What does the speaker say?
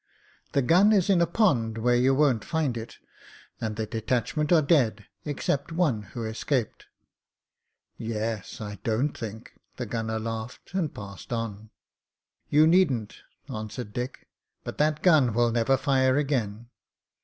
"The gun is in a pond where you won't find it, and the detachment are dead — except one who escaped." "Yes, I don't think." The gunner laughed and passed on. "You needn't," answered Dick, "but that gun will never fire again."